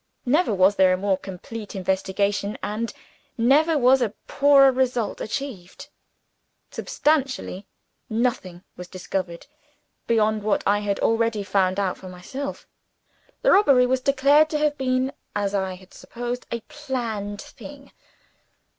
Never was there a more complete investigation and never was a poorer result achieved. Substantially, nothing was discovered beyond what I had already found out for myself. The robbery was declared to have been (as I had supposed) a planned thing.